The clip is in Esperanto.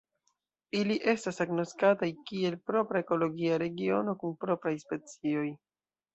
Ili estas agnoskataj kiel propra ekologia regiono kun propraj specioj.